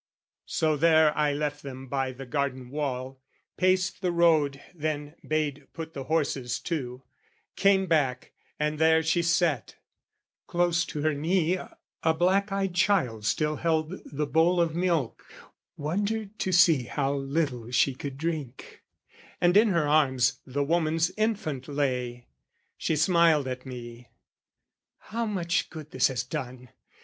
So, there I left them by the garden wall, Paced the road, then bade put the horses to, Came back, and there she sat: close to her knee, A black eyed child still held the bowl of milk, Wondered to see how little she could drink, And in her arms the woman's infant lay. She smiled at me "How much good this has done!